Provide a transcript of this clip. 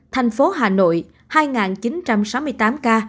thành phố hà nội hai chín trăm sáu mươi tám ca